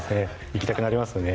行きたくなりますよね